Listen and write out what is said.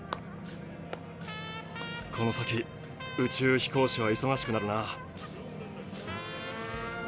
この先宇宙飛行士はいそがしくなるな。